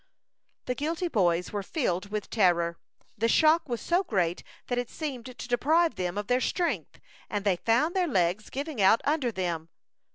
The guilty boys were filled with terror. The shock was so great that it seemed to deprive them of their strength, and they found their legs giving out under them.